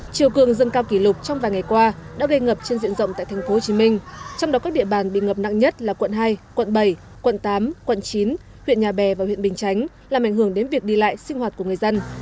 chiều cương dân cao kỷ lục trong vài ngày qua đã gây ngập trên diện rộng tại thành phố hồ chí minh trong đó các địa bàn bị ngập nặng nhất là quận hai quận bảy quận tám quận chín huyện nhà bè và huyện bình chánh làm ảnh hưởng đến việc đi lại sinh hoạt của người dân